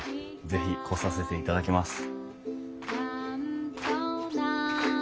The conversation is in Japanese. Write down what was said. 是非来させていただきます。